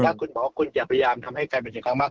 ถ้าคุณหมอคุณจะพยายามทำให้กลายเป็นเสียงข้างมาก